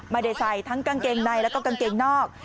ไม่ได้ใส่ทั้งกางเกงในแล้วก็กางเกงนอก